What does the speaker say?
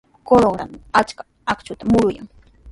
Corongotrawmi achka akshuta muruyan.